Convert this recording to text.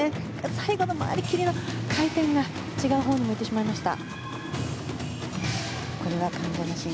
最後の回り切りが回転が違うほうに向いてしまいました。